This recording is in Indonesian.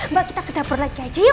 mbak kita ke dapur lagi aja yuk